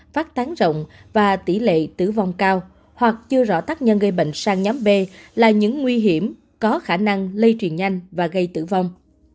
phát tán rộng và tỷ lệ tử vong cao hoặc chưa rõ tác nhân gây bệnh sang nhóm b là những nguy hiểm có khả năng lây truyền nhanh và gây tử vong